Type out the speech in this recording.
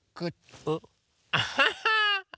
うっアハハ！